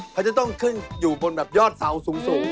เขาจะต้องขึ้นอยู่บนแบบยอดเสาสูง